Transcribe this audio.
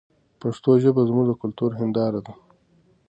پښتو ژبه زموږ د کلتور هنداره ده.